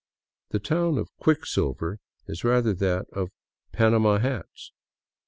The town of Quicksilver is rather that of " panama " hats.